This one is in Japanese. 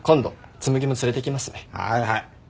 はいはい。